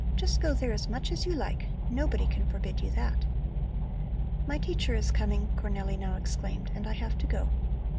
Just go there as much as you like! Nobody can forbid you that." "My teacher is coming," Cornelli now exclaimed, "and I have to go."